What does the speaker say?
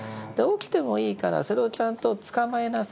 起きてもいいからそれをちゃんとつかまえなさい。